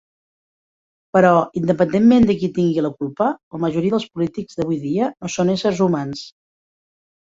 Però, independentment de qui tingui la culpa, la majoria dels polítics d'avui dia no són éssers humans.